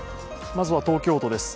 まずは東京都です。